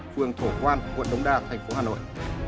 phường thổ quang quận đông đa thành phố hà nội